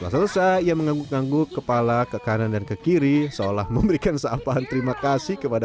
selesai ia mengangguk ngangguk kepala ke kanan dan ke kiri seolah memberikan seapaan terima kasih kepada